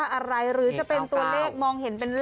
สาดุสาดุสาดุ